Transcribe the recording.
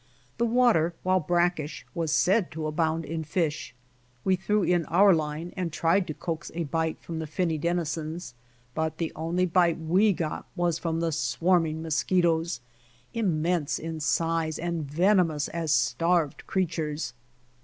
The water, while brackish, was said to abound in fish. We threw in our line and tried to coax a bite fromj the finny deni zens, but the only bite we got was from the swarming mosquitoes, immense in size and venomous as starved WILLOW SPRINGS 111 creatures.